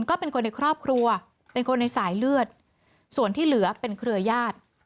ก็เป็นคนในครอบครัวเป็นคนในสายเลือดส่วนที่เหลือเป็นเครือญาติ